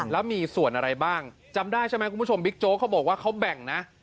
แล้วมีส่วนอะไรบ้างจำได้ใช่ไหมคุณผู้ชมบิ๊กโจ๊กเขาบอกว่าเขาแบ่งนะ